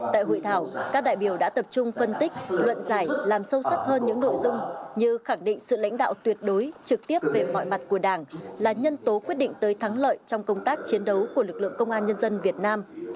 tại hội thảo các đại biểu đã tập trung phân tích luận giải làm sâu sắc hơn những nội dung như khẳng định sự lãnh đạo tuyệt đối trực tiếp về mọi mặt của đảng là nhân tố quyết định tới thắng lợi trong công tác chiến đấu của lực lượng công an nhân dân việt nam